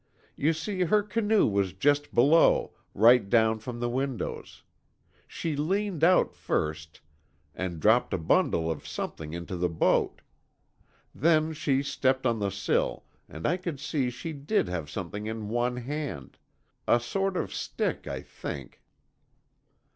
You see, her canoe was just below, right down from the window. She leaned out first, and dropped a bundle of something into the boat. Then, she stepped on the sill, and I could see she did have something in one hand. A sort of stick, I think."